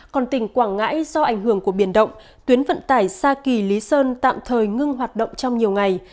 còn tỉnh quảng ngãi do ảnh hưởng của biển động tuyến vận tải sa kỳ lý sơn tạm thời ngưng hoạt động trong nhiều ngày